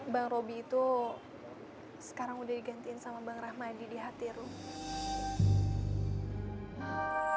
bang robby itu sekarang sudah digantiin sama bang rahmadi di hati rumi